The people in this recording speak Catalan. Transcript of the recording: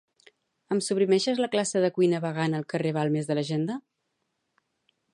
Em suprimeixes la classe de cuina vegana al carrer Balmes de l'agenda?